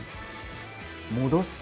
戻すと。